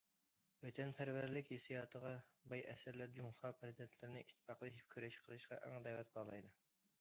ۋەتەنپەرۋەرلىك ھېسسىياتىغا باي ئەسەرلەر جۇڭخۇا پەرزەنتلىرىنى ئىتتىپاقلىشىپ كۈرەش قىلىشقا ئەڭ دەۋەت قىلالايدۇ.